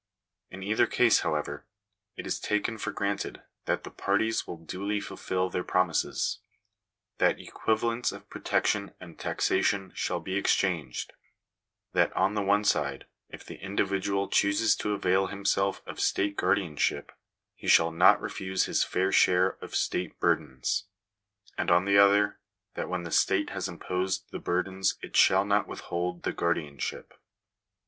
In either case, however, it is taken for granted that the parties will duly fulfil their promises ; that equivalents of protection and taxation shall be exchanged ; that, on the one side, if the individual chooses to avail himself of state guardianship, he shall not refuse his fair share of state burdens ; and on the other, that when the state has imposed the burdens it shall not withhold the guardianship.